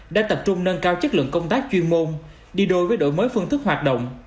đã tập trung nâng cao chất lượng công tác chuyên môn đi đôi với đổi mới phương thức hoạt động